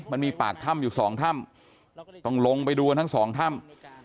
มันมีปากถ้ำอยู่สองถ้ำต้องลงไปดูกันทั้งสองถ้ำ